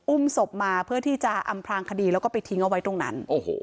ศพมาเพื่อที่จะอำพลางคดีแล้วก็ไปทิ้งเอาไว้ตรงนั้น